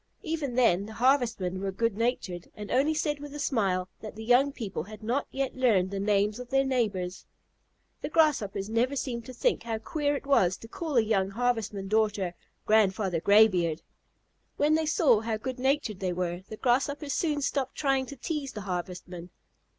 Even then the Harvestmen were good natured, and only said with a smile that the young people had not yet learned the names of their neighbors. The Grasshoppers never seemed to think how queer it was to call a young Harvestman daughter "Grandfather Graybeard." When they saw how good natured they were, the Grasshoppers soon stopped trying to tease the Harvestmen.